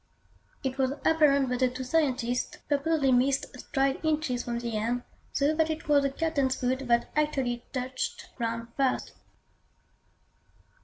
It was apparent that the two scientists purposely missed stride inches from the end, so that it was the Captain's foot that actually touched ground first.